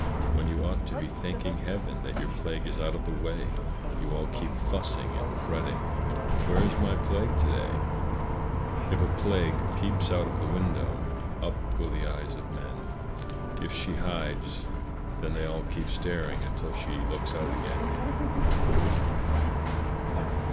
When you ought to be thanking Heaven That your plague is out of the way, You all keep fussing and fretting "Where is my Plague to day?" If a Plague peeps out of the window, Up go the eyes of men; If she hides, then they all keep staring Until she looks out again.